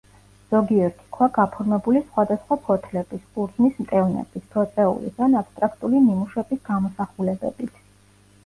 ზოგიერთი ქვა გაფორმებული სხვადასხვა ფოთლების, ყურძნის მტევნების, ბროწეულის ან აბსტრაქტული ნიმუშების გამოსახულებებით.